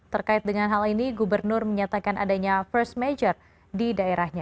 terkait dengan hal ini gubernur menyatakan adanya first major di daerahnya